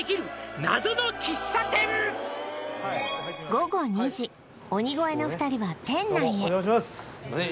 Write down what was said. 午後２時鬼越の２人は店内へすいません